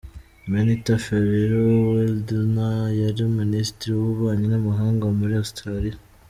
Benita Ferrero-Waldner yari Minisitiri w’ububanyi n’amahanga muri Austaria.